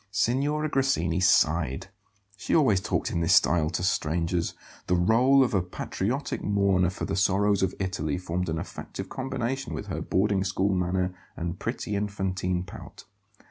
Signora Grassini sighed. She always talked in this style to strangers; the role of a patriotic mourner for the sorrows of Italy formed an effective combination with her boarding school manner and pretty infantine pout.